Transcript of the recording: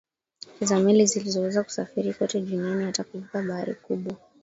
za meli zilizoweza kusafiri kote duniani hata kuvuka bahari kubwa